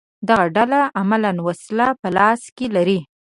دغه ډله عملاً وسله په لاس کې لري